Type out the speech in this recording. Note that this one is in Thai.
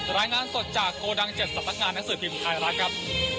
รายงานสดจากโกดัง๗สัตว์พักงานนักสือกินไทยรัฐครับ